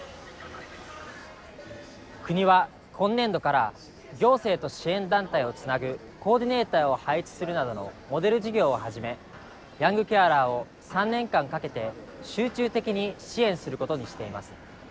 国は今年度から行政と支援団体をつなぐコーディネーターを配置するなどのモデル事業をはじめヤングケアラーを３年間かけて集中的に支援することにしています。